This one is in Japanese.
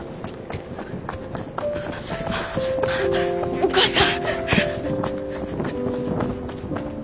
お母さん。